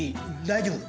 大丈夫。